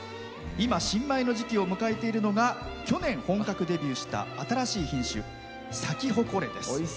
今、新米の時期を迎えているのが本格デビューしている新しい品種、サキホコレです。